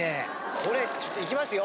これちょっと行きますよ。